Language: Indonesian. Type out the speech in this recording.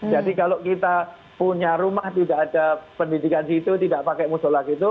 kalau kita punya rumah tidak ada pendidikan di situ tidak pakai musola gitu